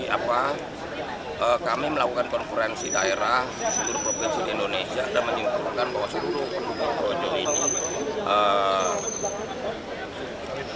apa kami melakukan konferensi daerah indonesia dan menimbulkan bahwa seluruh pendukung projo ini